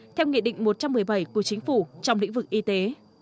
theo nghị định một trăm một mươi bảy của chính phủ trong lĩnh vực y tế